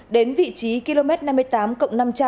đến vị trí km năm mươi tám cộng năm trăm linh